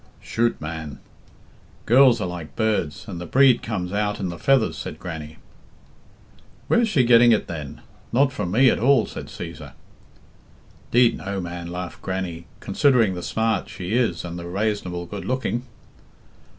"Chut, man! Girls are like birds, and the breed comes out in the feathers," said Grannie. "Where's she getting it then? Not from me at all," said Cæsar. "Deed, no, man," laughed Grannie, "considering the smart she is and the rasonable good looking."